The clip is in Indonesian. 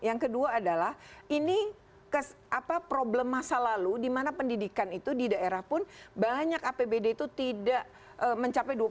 yang kedua adalah ini problem masa lalu di mana pendidikan itu di daerah pun banyak apbd itu tidak mencapai